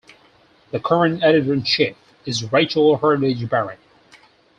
The current editor-in-chief is Rachel Hardage Barrett.